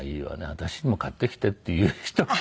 「私にも買ってきて」っていう人が。